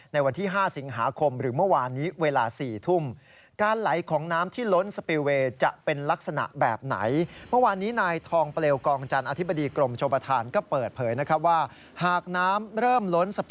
ในวันที่๕สิงหาคมหรือเมื่อวานนี้เวลา๔ทุ่ม